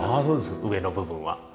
上の部分は。